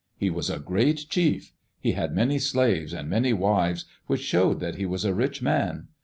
He was a great chief. He had many slaves and many wives, which showed that he was a rich man.